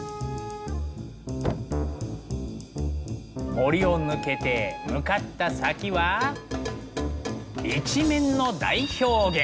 森を抜けて向かった先は一面の大氷原。